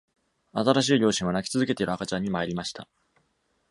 新しい両親は、泣き続けている赤ちゃんに参りました。